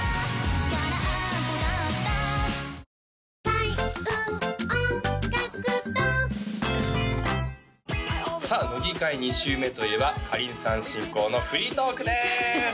空っぽだったさあ乃木回２週目といえばかりんさん進行のフリートークです！